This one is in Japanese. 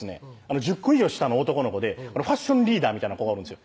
１０個以上下の男の子でファッションリーダーみたいな子がおるんですよ